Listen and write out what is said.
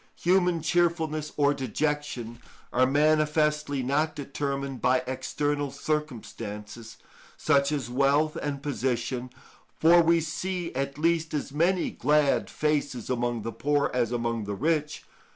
Human cheerfulness or dejection are manifestly not determined by external circumstances, such as wealth and position, for we see at least as many glad faces among the poor as among the rich.